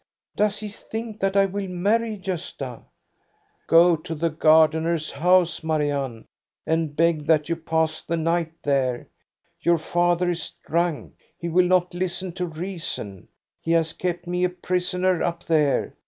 Does he think that I will marry Gosta?" Go to the gardener's house, Marianne, and beg that you pass the night there. Your father is drunk. He will not listen to reason. He has kept me a prisoner up there.